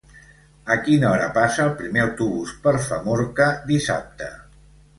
A quina hora passa el primer autobús per Famorca dissabte?